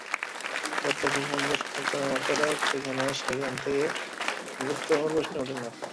প্রত্যাশার সঙ্গে সমর্থনের মাত্রাটা যেখানে, সেখান থেকে ব্যর্থ হওয়ার প্রশ্নই ওঠে না।